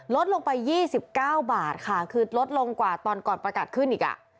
ลดลงไป๒๙บาทค่ะคือลดลงกว่าตอนก่อนประกาศขึ้นอีก